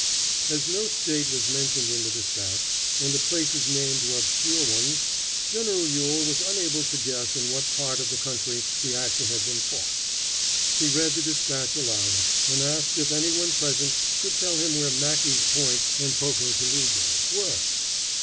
As no State was mentioned in the dispatch, and the places named were obscure ones, General Ewell was unable to guess in what part of the country the action had been fought. He read the dispatch aloud, and asked if any one present could tell him where Mackey's Point and Pocotaligo were.